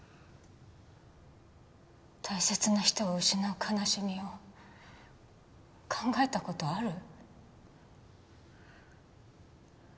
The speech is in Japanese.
大切な人を失う悲しみを考えたことある？